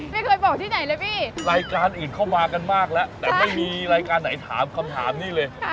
ไม่เคยบอกที่ไหนเลยพี่รายการอื่นเข้ามากันมากแล้วแต่ไม่มีรายการไหนถามคำถามนี่เลย